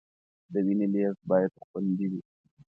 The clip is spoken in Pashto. د وینې لیږد باید خوندي وي.